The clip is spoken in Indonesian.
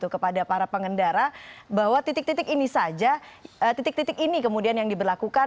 kepada para pengendara bahwa titik titik ini saja titik titik ini kemudian yang diberlakukan